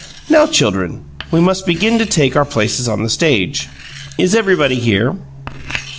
Now children, we must begin to take our places on the stage. Is everybody here?"